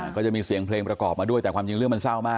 ก็จะมีเสียงเพลงประกอบมาด้วยแต่ความจริงเรื่องมันเศร้ามาก